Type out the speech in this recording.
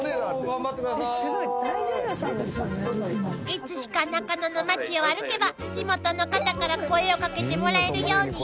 ［いつしか中野の街を歩けば地元の方から声を掛けてもらえるように］